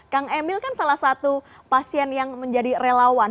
kang emil kan salah satu pasien yang menjadi relawan